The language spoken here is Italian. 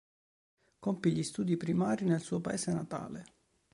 Compì gli studi primari nel suo paese natale.